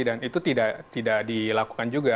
dan itu tidak dilakukan juga